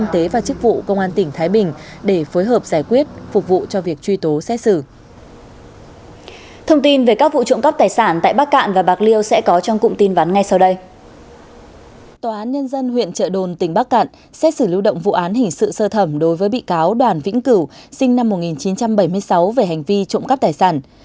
tòa án nhân dân huyện trợ đồn tỉnh bắc cạn xét xử lưu động vụ án hình sự sơ thẩm đối với bị cáo đoàn vĩnh cửu sinh năm một nghìn chín trăm bảy mươi sáu về hành vi trụng cấp tài sản